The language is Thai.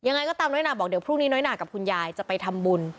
ยังไงก็ตามน้อยหนาบอกเดี๋ยวพรุ่งนี้น้อยหนากับคุณยายจะไปทำบุญ